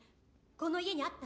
この家にあった？